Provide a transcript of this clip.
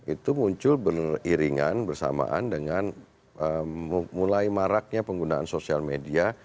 itu muncul beriringan bersamaan dengan mulai maraknya penggunaan sosial media